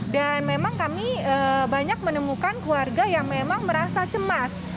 dan memang kami banyak menemukan keluarga yang memang merasa cemas